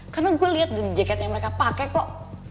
karena gue liat deh jaketnya mereka pake kok